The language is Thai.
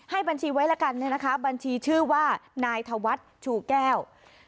ให้บัญชีไว้ละกันนะคะบัญชีชื่อว่านายทวัดชูแก้ว